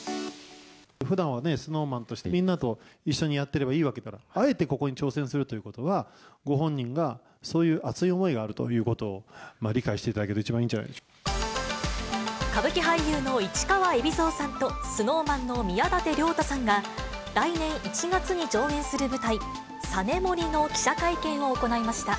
ふだんはＳｎｏｗＭａｎとして、みんなと一緒にやってればいいわけですから、あえてここに挑戦するということは、ご本人がそういう熱い思いがあるということを理解していただける歌舞伎俳優の市川海老蔵さんと、ＳｎｏｗＭａｎの宮舘涼太さんが来年１月に上演する舞台、サネモリの記者会見を行いました。